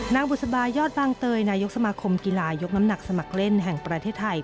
บุษบายอดบางเตยนายกสมาคมกีฬายกน้ำหนักสมัครเล่นแห่งประเทศไทย